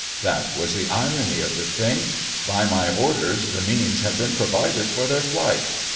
That was the irony of the thing. By my orders the means had been provided for their flight.